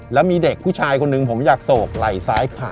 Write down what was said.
แล้วมีเด็กผู้ชายคนหนึ่งผมอยากโศกไหล่ซ้ายขาด